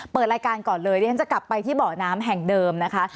เปิดรายการก่อนเลยเดี๋ยวฉันจะกลับไปที่เบาะน้ำแห่งเดิมนะคะ